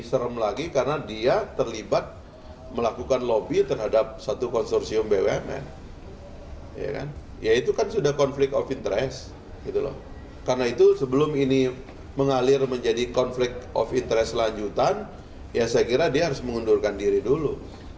selanjutnya saya kira dia harus mengundurkan diri dulu